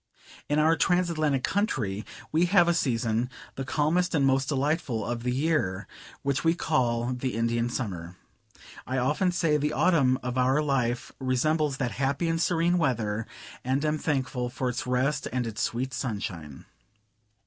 In our Transatlantic country we have a season, the calmest and most delightful of the year, which we call the Indian summer: I often say the autumn of our life resembles that happy and serene weather, and am thankful for its rest and its sweet sunshine.